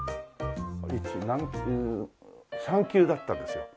１３級だったんですよ。